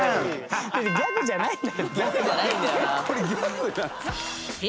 ギャグじゃないんだよな。